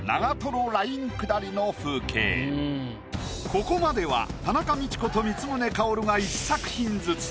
ここまでは田中道子と光宗薫が１作品ずつ。